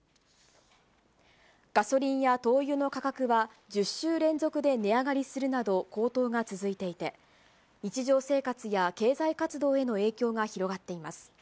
ガソリンや灯油の価格は、１０週連続で値上がりするなど高騰が続いていて、日常生活や経済活動への影響が広がっています。